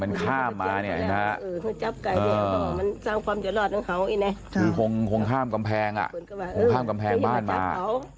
มันสร้างความจะรอดของเขาคงข้ามกำแพงอ่ะข้ามกำแพงบ้านมา